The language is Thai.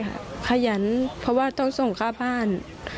ขยันเพราะว่าต้องส่งค่าบ้าน